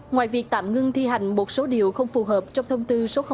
ngoài việc tạm ngưng thi hành một số điều không phù hợp trong thông tư số năm